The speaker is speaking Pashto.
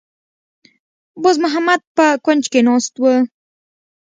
باز محمد په کونج کې ناسته وه.